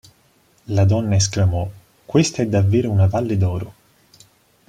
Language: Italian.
La donna esclamò "Questa è davvero una "Valle d'Oro"!